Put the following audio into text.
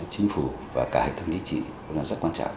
chính phủ và cả hệ thống lý trí nó rất quan trọng